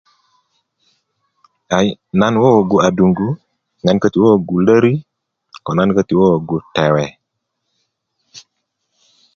ayi nan wowogu aduŋgu nan köti wowogu leri ko nan köti wowogu tewe